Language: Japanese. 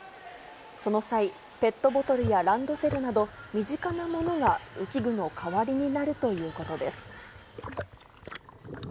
その際、ペットボトルやランドセルなど、身近なものが浮き具の代わりになるということです。